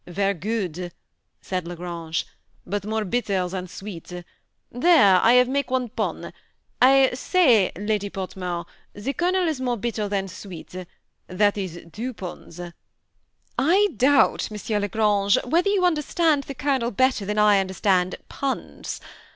Ver* good," said La Grange, but more bitter than sweet. There, I have make one pon. I say. Lady Portmore, the Colonel is more bitter than sweet ; that is two pons." " I doubt, M. la Grange, whether you understand the Colonel better than I understand puns.